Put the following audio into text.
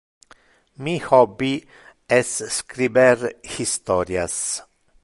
Mi hobby es scriber historias.